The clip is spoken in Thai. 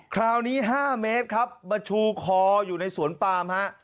คราวนี้๕เมตรครับมาชูคออยู่ในสวนปามฮะ